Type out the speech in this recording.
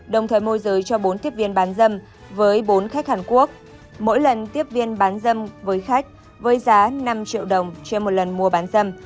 đồng thời môi giới cho bốn tiếp viên bán dâm với bốn khách hàn quốc mỗi lần tiếp viên bán dâm với khách với giá năm triệu đồng trên một lần mua bán dâm